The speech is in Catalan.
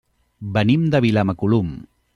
Venim de Vilamacolum.